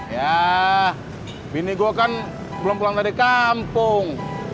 ya bini gue kan belum pulang dari kampung